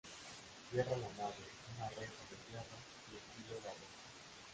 Cierra la nave una reja de hierro, de estilo barroco.